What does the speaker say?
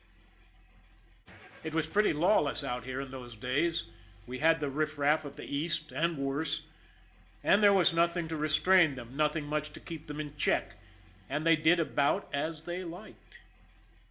It was pretty lawless out here in those days. We had the riff raff of the East, and worse ; and there was nothing to restrain them, nothing much to keep them in check, and they did about as they liked.